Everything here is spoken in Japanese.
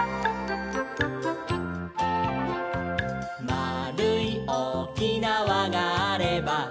「まあるいおおきなわがあれば」